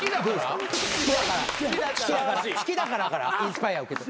「月だから」からインスパイアを受けて。